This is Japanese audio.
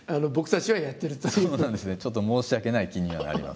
ちょっと申し訳ない気にはなります。